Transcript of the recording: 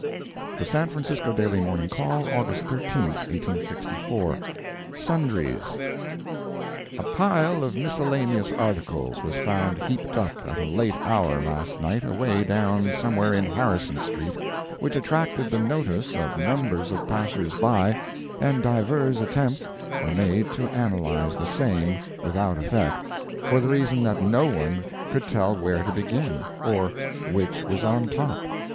The San Francisco Daily Morning Call, August 13, 1864 SUNDRIES A pile of miscellaneous articles was found heaped up at a late hour last night away down somewhere in Harrison street, which attracted the notice of numbers of passers by, and divers attempts were made to analyze the same without effect, for the reason that no one could tell where to begin, or which was on top.